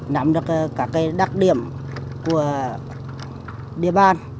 nắm được các đặc điểm của địa bàn